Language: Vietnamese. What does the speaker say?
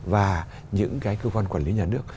và những cái cơ quan quản lý nhà nước